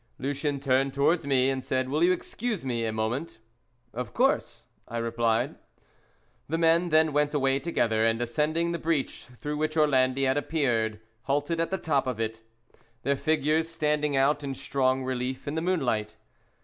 Lucien turned towards me, and said: "Will you excuse me a moment?" "Of course;" I replied. The men then went away together, and ascending the breach through which Orlandi had appeared halted at the top of it, their figures standing out in strong relief in the moonlight.